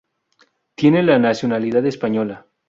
Tiene la nacionalidad española.